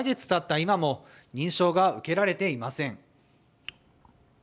今も認証が受けられていません。